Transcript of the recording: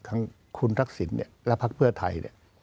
ทั้งคุณทักษิณและภักดิ์เพื่อไทย